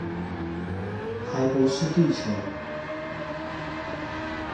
還是不是地球